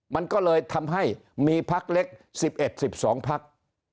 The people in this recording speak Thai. มันก็เลยทำให้มีพักเล็ก๑๑๑๒พัก